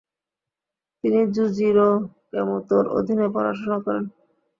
তিনি জুজিরো কোমোতোর অধীনে পড়াশোনা করেন।